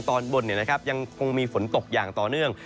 ตอนบนยังคงมีฝนตกอย่างต่อเนื่อง